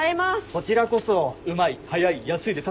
こちらこそうまい早い安いで助かってるよ。